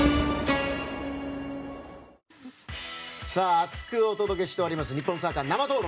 熱くお届けしております日本サッカー生討論。